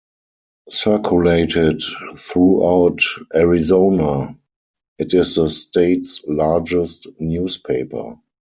Circulated throughout Arizona, it is the state's largest newspaper.